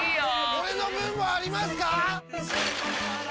俺の分もありますか！？